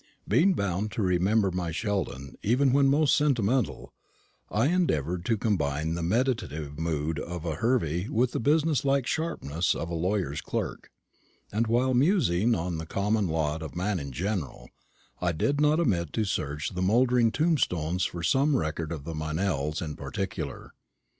Being bound to remember my Sheldon even when most sentimental, I endeavoured to combine the meditative mood of a Hervey with the business like sharpness of a lawyer's clerk; and while musing on the common lot of man in general, I did not omit to search the mouldering tombstones for some record of the Meynells in particular.